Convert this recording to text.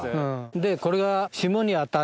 でこれが。